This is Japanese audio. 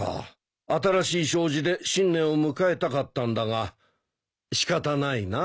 新しい障子で新年を迎えたかったんだが仕方ないな。